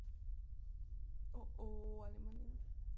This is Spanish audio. Alemania es el segundo socio comercial de Libia.